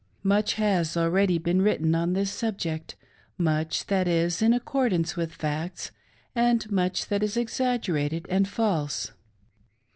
Much has already been written on this subject — much that is in accordance with facts, and much that is exaggerated and false.